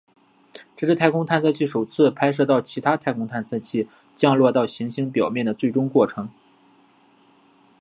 这是太空探测器首次拍摄到其他太空探测器降落到行星表面最终过程。